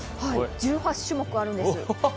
１８種目あるんです。